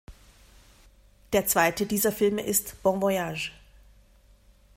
Der zweite dieser Filme ist "Bon Voyage".